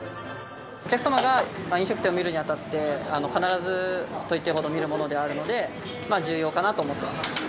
お客様が飲食店を見るにあたって、必ずといっていいほど見るものではあるので、重要かなと思ってます。